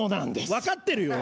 分かってるよ。